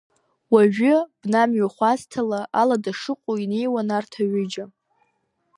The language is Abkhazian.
Уажәы бна мҩахәасҭала алада шыҟоу инеиуан арҭ аҩыџьа.